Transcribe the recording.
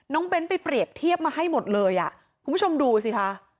เบ้นไปเปรียบเทียบมาให้หมดเลยอ่ะคุณผู้ชมดูสิคะ